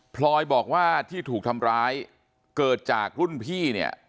พลอยบอกว่าที่ถูกทำร้ายเกิดจากรุ่นพี่เนี่ย